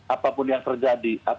apapun yang terjadi